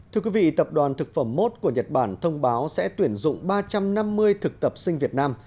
thưa quý vị tập đoàn thực phẩm mốt của nhật bản thông báo sẽ tuyển dụng ba trăm năm mươi thực tập sinh việt nam